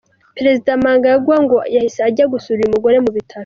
Perezida Mnangagwa ngo yahise ajya gusura uyu mugore mu bitaro.